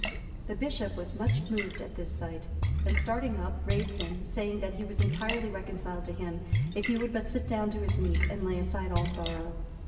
The bishop was much moved at this sight, and starting up, raised him, saying that he was entirely reconciled to him, if he would but sit down to his meat, and lay aside all sorrow.